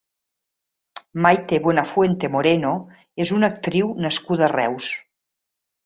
Maite Buenafuente Moreno és una actriu nascuda a Reus.